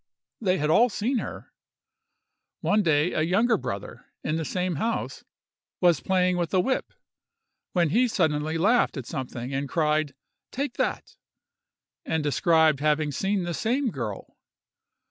They had all seen her. One day a younger brother, in the same house, was playing with a whip, when he suddenly laughed at something, and cried "Take that;" and described having seen the same girl.